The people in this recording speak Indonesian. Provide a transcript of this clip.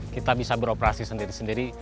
kita bisa beroperasi sendiri sendiri